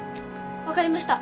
分かりました。